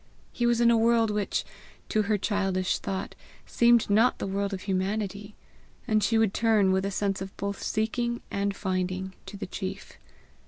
He was in a world which, to her childish thought, seemed not the world of humanity; and she would turn, with a sense of both seeking and finding, to the chief.